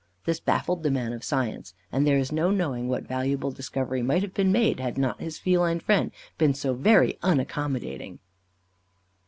This baffled the man of science, and there is no knowing what valuable discovery might have been made, had not his feline friend been so very unaccommodating.